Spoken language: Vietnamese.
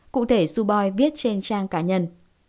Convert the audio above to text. cụ thể suboi viết trên trang cá nhân